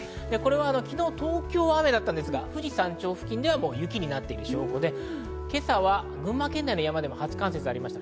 昨日東京は雨だったんですが、富士山頂付近では雪になってる証拠で、今朝は群馬県内の山でも初冠雪がありました。